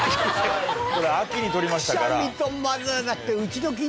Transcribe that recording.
これ秋に撮りましたから。